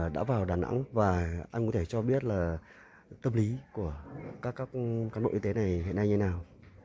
đã vào đà nẵng và anh có thể cho biết là tâm lý của các cán bộ y tế này hiện nay như nào